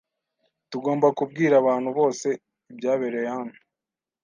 Tugomba kubwira abantu bose ibyabereye hano.